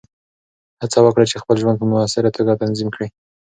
هڅه وکړه چې خپل ژوند په مؤثره توګه تنظیم کړې.